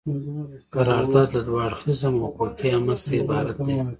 قرارداد له دوه اړخیزه حقوقي عمل څخه عبارت دی.